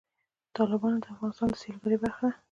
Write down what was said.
تالابونه د افغانستان د سیلګرۍ برخه ده.